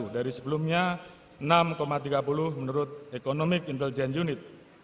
dari sebelumnya enam tiga puluh menurut economic intelligent unit